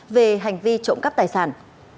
về hành vi trộm cắp tài sản